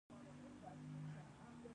د ماشو په هکله نور معلومات.